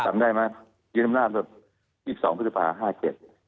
จำได้ไหมยืนดำนาจวัน๒๒พฤษภาค๕๗